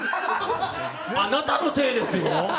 あなたのせいですよ。